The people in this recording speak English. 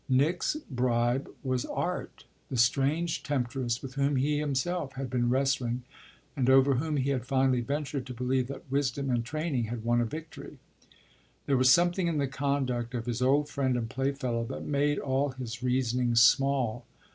Nick's bribe was "art" the strange temptress with whom he himself had been wrestling and over whom he had finally ventured to believe that wisdom and training had won a victory. There was something in the conduct of his old friend and playfellow that made all his reasonings small.